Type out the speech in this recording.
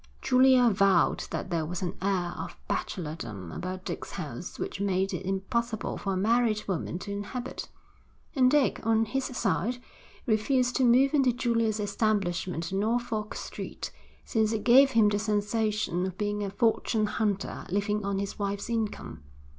Julia vowed that there was an air of bachelordom about Dick's house which made it impossible for a married woman to inhabit; and Dick, on his side, refused to move into Julia's establishment in Norfolk Street, since it gave him the sensation of being a fortune hunter living on his wife's income.